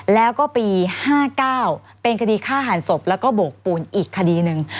แล้วก็ปี๕๙เป็นคดีฆ่าหันศพแล้วก็โบกปูนอีกคดีหนึ่ง